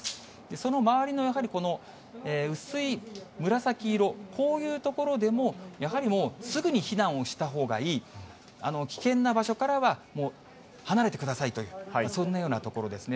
その周りのやはりこの薄い紫色、こういう所でも、やはりもう、すぐに避難をしたほうがいい、危険な場所からはもう離れてくださいと、そんなようなところですね。